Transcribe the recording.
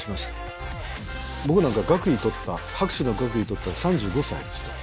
僕なんか学位取った博士の学位取ったの３５歳ですよ。